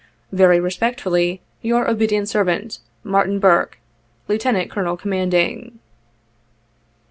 " Very respectfully, your obedient servant, "MARTIN BURKE, '' Lieutenant Colonel Commanding."